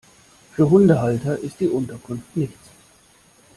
Für Hundehalter ist die Unterkunft nichts.